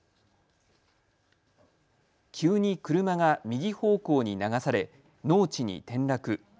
急に車が右方向に流され農地に転落。